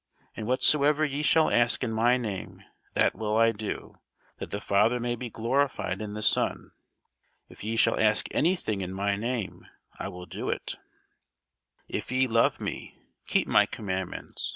And whatsoever ye shall ask in my name, that will I do, that the Father may be glorified in the Son. If ye shall ask any thing in my name, I will do it. [Sidenote: St. John 14] If ye love me, keep my commandments.